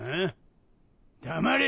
黙れ！